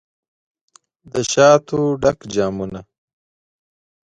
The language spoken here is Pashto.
دشاتو ډک جامونه